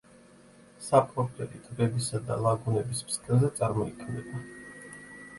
საპროპელი ტბებისა და ლაგუნების ფსკერზე წარმოიქმნება.